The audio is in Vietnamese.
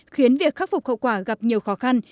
khiến việc khắc phục hậu quả gặp nhiều khó khăn